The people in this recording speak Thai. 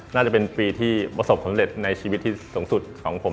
น่าจะเป็นปีที่ประสบสำเร็จในชีวิตที่สูงสุดของผม